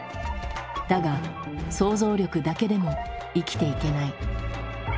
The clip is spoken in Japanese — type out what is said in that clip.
だが想像力だけでも生きていけない。